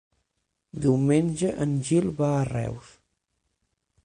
Diumenge en Gil va a Reus.